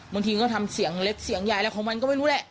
บางทีก็ทำเสียงเล็กเสียงยายอะไรของมันก็ไม่รู้แหละ